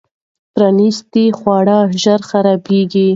پرانیستي خواړه ژر خرابېږي.